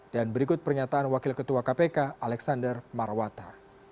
dan berikut pernyataan wakil ketua kpk alexander marwata